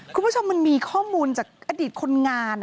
คุณผู้ชมมันมีข้อมูลจากอดีตคนงาน